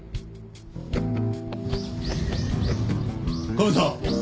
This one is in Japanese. カメさん！